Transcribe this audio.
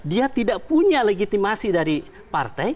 dia tidak punya legitimasi dari partai